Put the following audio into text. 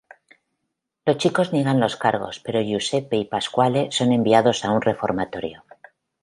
Los chicos niegan los cargos pero Giuseppe y Pasquale son enviados a un reformatorio.